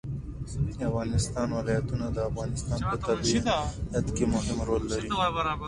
د افغانستان ولايتونه د افغانستان په طبیعت کې مهم رول لري.